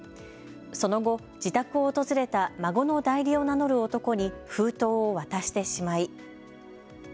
その後、自宅を訪れた孫の代理を名乗る男に封筒を渡してしまい。